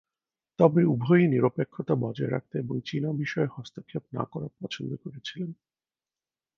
তবে উভয়ই নিরপেক্ষতা বজায় রাখতে এবং চীনা বিষয়ে হস্তক্ষেপ না করা পছন্দ করেছিলেন।